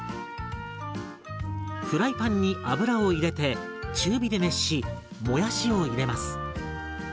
フライパンに油を入れて中火で熱しもやしを入れます。